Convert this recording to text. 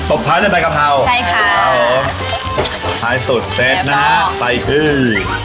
อ่าตบท้ายก็ได้กะเพราใช่ค่ะอ๋อท้ายสุดแซ่บนะฮะใส่ดื้อ